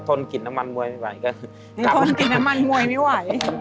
ทนกลิ่นน้ำมันมวยไม่ไหวก็คือทนกลิ่นน้ำมันมวยไม่ไหว